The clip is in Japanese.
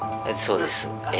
そうです。